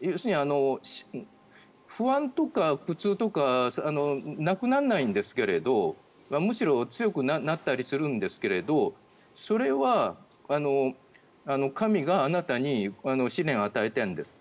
要するに不安とか苦痛とかなくならないんですけどむしろ強くなったりするんですけれどそれは神があなたに試練を与えてるんですと。